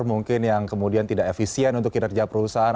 mungkin yang kemudian tidak efisien untuk kinerja perusahaan